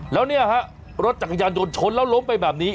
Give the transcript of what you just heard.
แล้วเนี่ยฮะรถจักรยานยนต์ชนแล้วล้มไปแบบนี้